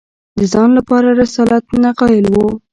د ځان لپاره رسالت نه قایل وو